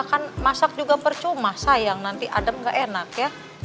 kan masak juga percuma sayang nanti adem gak enak ya